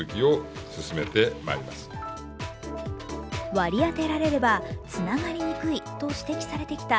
割り当てられれば、つながりにくいと指摘されてきた